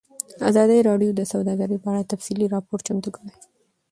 ازادي راډیو د سوداګري په اړه تفصیلي راپور چمتو کړی.